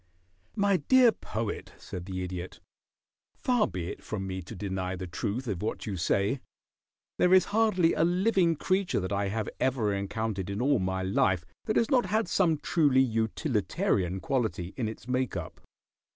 "My dear Poet," said the Idiot, "far be it from me to deny the truth of what you say. There is hardly a living creature that I have ever encountered in all my life that has not had some truly utilitarian quality in its make up.